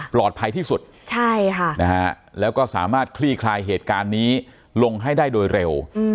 ที่สุดแล้วก็สามารถคลี่คลายเหตุการณ์นี้ลงให้ได้โดยเร็ว